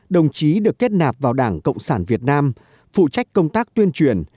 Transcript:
đồng chí được kết nạp vào đảng cộng sản việt nam phụ trách công tác tuyên truyền